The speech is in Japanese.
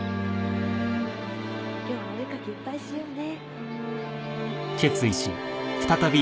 今日もお絵描きいっぱいしようね。